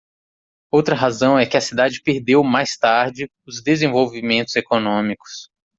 Outra razão é que a cidade perdeu mais tarde os desenvolvimentos econômicos.